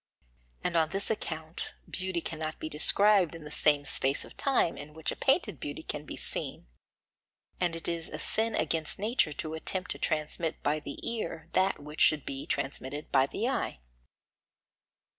And on this account beauty cannot be described in the same space of time in which a painted beauty can be seen, and it is a sin against nature to attempt to transmit by the ear that which should be transmitted by the eye.